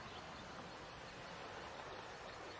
สวัสดีครับ